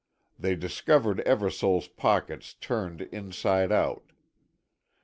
They discovered Eversole's pockets turned inside out.